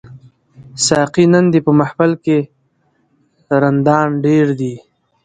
ساقي نن دي په محفل کي رندان ډیر دي